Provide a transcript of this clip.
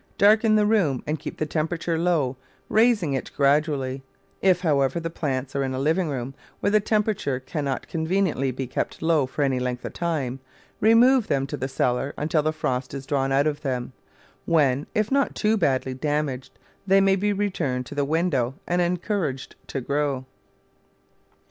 Darken the room and keep the tempera ture low, raising it gradually. If, however, the plants are in a living room, where the temperature cannot conveniently be kept low for any length of time, re move them to the cellar until the frost is drawn out of them, when, if not too badly damaged, they may be returned to the window and encouraged to grow.